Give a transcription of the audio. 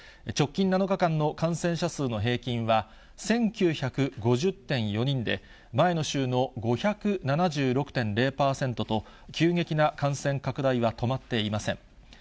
直近７日間の感染者数の平均は、１９５０．４人で、前の週の５７６．０％と、急激な感染拡大は止まっていません。